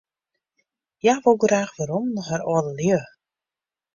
Hja wol graach werom nei har âldelju.